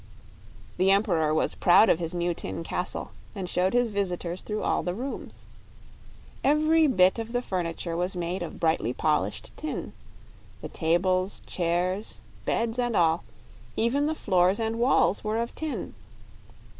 The Emperor was proud of his new tin castle, and showed his visitors through all the rooms. Every bit of the furniture was made of brightly polished tin the tables, chairs, beds, and all even the floors and walls were of tin.